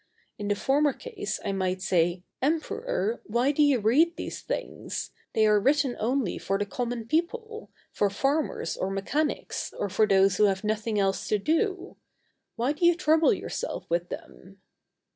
In the former case I might say, Emperor! why do you read these things? They are written only for the common people, for farmers or mechanics, or for those who have nothing else to do; why do you trouble yourself with them?